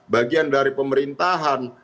bagian dari pemerintahan